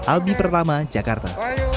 albi peralama jakarta